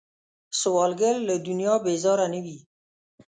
سوالګر له دنیا بیزاره نه وي